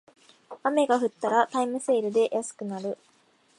雨が降ったらタイムセールで安くなる